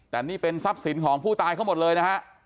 แต่นี่เป็นทรัพย์สินของผู้ตายเขาหมดเลยนะฮะ